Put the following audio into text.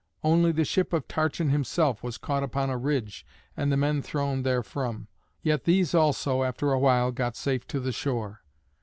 Only the ship of Tarchon himself was caught upon a ridge and the men thrown therefrom. Yet these also, after a while, got safe to the shore.